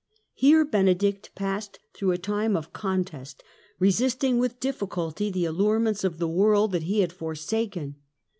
Here Benedict passed through a time of contest, resisting with difficulty the allurements of the world that he had forsaken.